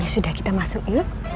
ya sudah kita masuk yuk